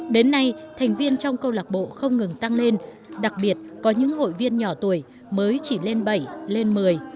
đến nay thành viên trong câu lạc bộ không ngừng tăng lên đặc biệt có những hội viên nhỏ tuổi mới chỉ lên bảy lên một mươi